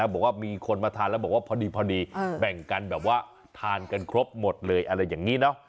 บอกว่ามีคนมาทานแล้วบอกว่าพอดีแบ่งกันแบบว่าทานกันครบหมดเลยอะไรอย่างนี้เนอะ